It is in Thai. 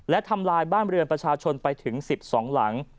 และทำลายบ้านเรือนประชาชนไปถึง๑๒หลัง